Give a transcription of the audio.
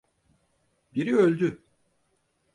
Biri öldü.